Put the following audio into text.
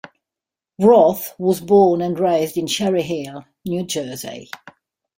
Roth was born and raised in Cherry Hill, New Jersey.